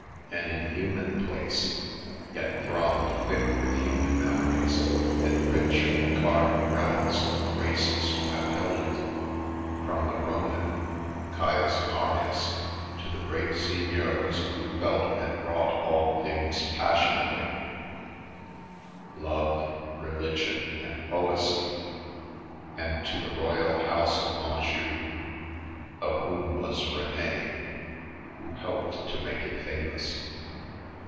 An inhuman place, yet thronged thick with human memories and rich with carved relics of the races who have held it, from the Roman, Caius Marius, to the great seigneurs who felt and wrought all things passionately — love, religion and poesy ; and to the royal House of Anjou, of whom was Rene, who helped to make it famous.